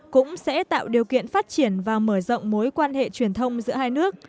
cũng sẽ tạo điều kiện phát triển và mở rộng mối quan hệ truyền thông giữa hai nước